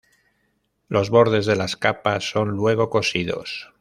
Los bordes de las capas son luego cosidos.